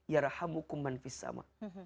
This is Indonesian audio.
yarhamu kumman fis sama